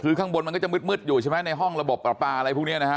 คือข้างบนมันก็จะมืดอยู่ใช่ไหมในห้องระบบประปาอะไรพวกนี้นะฮะ